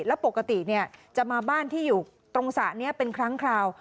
แล้วปกติจะมาบ้านที่อยู่ตรงสระนี้เป็นครั้งคราว